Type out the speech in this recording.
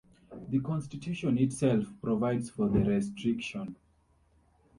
The Constitution itself provides for the restriction.